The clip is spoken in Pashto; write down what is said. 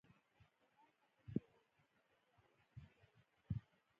لمر ختل د یوې نوې ورځې او امید زیری دی.